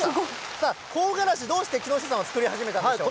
さあ、香辛子、どうして木下さんは作り始めたんでしょうか。